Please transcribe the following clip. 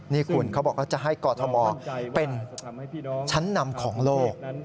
นี่คุณเขาบอกว่าจะให้กอทมเป็นชั้นนำของโลก